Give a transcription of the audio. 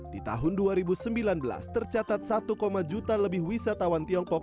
di tahun dua ribu sembilan belas tercatat satu juta lebih wisatawan tiongkok